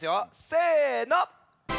せの！